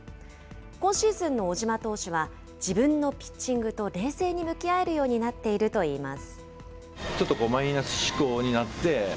今シーズンの小島投手は、自分のピッチングと冷静に向き合えるようになっているといいます。